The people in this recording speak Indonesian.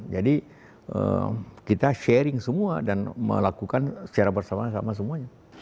jadi kita sharing semua dan melakukan secara bersama sama semuanya